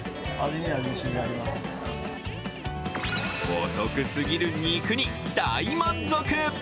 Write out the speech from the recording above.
お得すぎる肉に大満足！